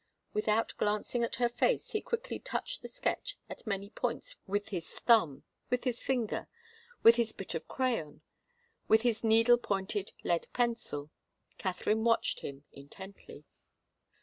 Without glancing at her face he quickly touched the sketch at many points with his thumb, with his finger, with his bit of crayon, with his needle pointed lead pencil. Katharine watched him intently.